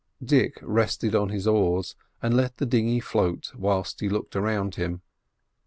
Dick rested on his oars, and let the dinghy float whilst he looked around him.